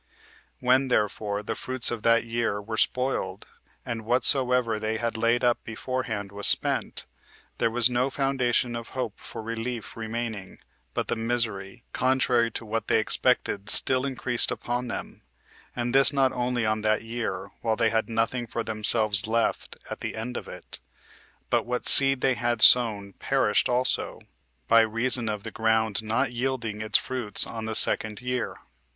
When therefore the fruits of that year were spoiled, and whatsoever they had laid up beforehand was spent, there was no foundation of hope for relief remaining, but the misery, contrary to what they expected still increased upon them; and this not only on that year, while they had nothing for themselves left [at the end of it], but what seed they had sown perished also, by reason of the ground not yielding its fruits on the second year.